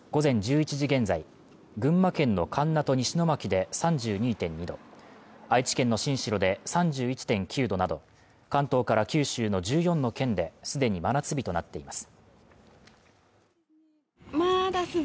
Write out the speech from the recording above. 各地の最高気温は、午前１１時現在、群馬県の神流と西野牧で３２．２度愛知県の新城で３１．９度など、関東から九州の１４の県で既に真夏日となっています。